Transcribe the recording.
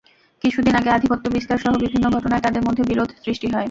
কিছুদিন আগে আধিপত্য বিস্তারসহ বিভিন্ন ঘটনায় তঁাদের মধ্যে বিরোধ সৃষ্টি হয়।